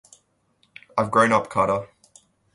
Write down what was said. I've grown up, Carter.